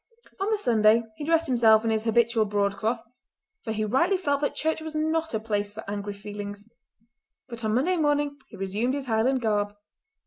On the Sunday he dressed himself in his habitual broadcloth, for he rightly felt that church was not a place for angry feelings; but on Monday morning he resumed his Highland garb.